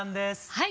はい。